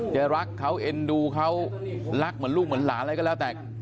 จะรักเขาเอ็นดูเขารักเหมือนลูกเหมือนหลานอะไรก็แล้วแต่